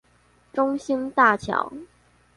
中興大橋